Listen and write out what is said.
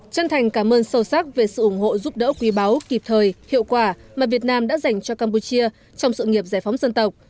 chân thành cảm ơn sâu sắc về sự ủng hộ giúp đỡ quý báu kịp thời hiệu quả mà việt nam đã dành cho campuchia trong sự nghiệp giải phóng dân tộc